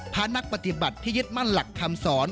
พระนักปฏิบัติที่ยึดมั่นหลักคำสอน